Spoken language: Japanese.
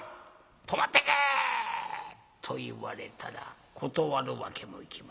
泊まってけ！」。と言われたら断るわけもいきません。